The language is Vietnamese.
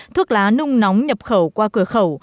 thuốc lá nung nóng nhập khẩu qua cửa khẩu